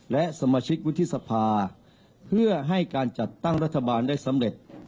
และสมาชิกวุฒิสภาเพื่อให้การจัดตั้งรัฐบาลได้สำเร็จ